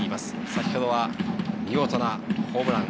先ほど見事なホームラン。